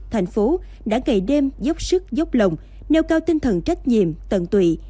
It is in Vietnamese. thành phố đã ngày đêm dốc sức dốc lồng nêu cao tinh thần trách nhiệm tận tụy